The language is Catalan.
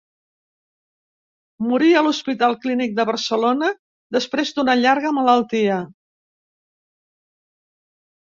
Morí a l'Hospital Clínic de Barcelona després d'una llarga malaltia.